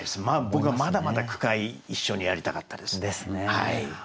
僕はまだまだ句会一緒にやりたかったですね。